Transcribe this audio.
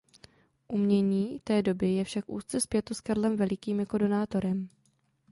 Umění té doby je však úzce spjato s Karlem Velikým jako donátorem.